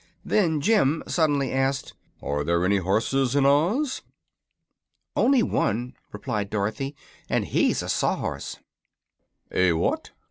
Then Jim suddenly asked: "Are there any horses in Oz?" "Only one," replied Dorothy, "and he's a sawhorse." "A what?"